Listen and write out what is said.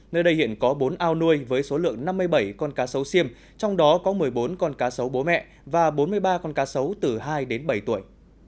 nơi đây hiện có bốn ao nuôi với số lượng năm mươi bảy con cá sấu siêm trong đó có một mươi bốn con cá sấu bố mẹ và bốn mươi ba con cá sấu từ hai đến bảy tuổi